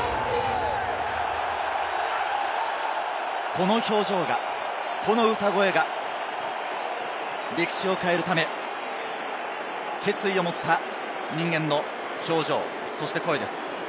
この表情が、この歌声が歴史を変えるため、決意を持った人間の表情、そして声です。